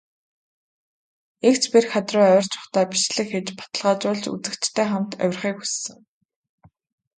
Эгц бэрх хад руу авирч байхдаа бичлэг хийж, баталгаажуулж, үзэгчидтэйгээ хамт авирахыг хүссэн.